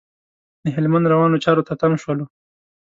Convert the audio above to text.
د هلمند روانو چارو ته تم شولو.